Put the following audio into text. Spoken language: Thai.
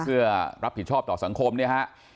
เพื่อรับผิดชอบต่อสังคมเนี่ยฮะ